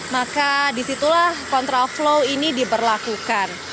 maka disitulah kontra flow ini diberlakukan